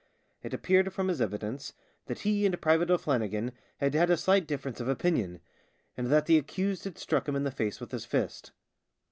It appeared from his evidence that he and Private O'Flannigan had had a slight difference of opinion, and 80 THE SIXTH DRUNK 81 that the accused had struck him in the face with his fist.